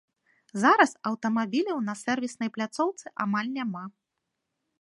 Зараз аўтамабіляў на сервіснай пляцоўцы амаль няма.